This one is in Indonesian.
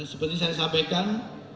seperti saya sampaikan